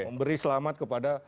memberi selamat kepada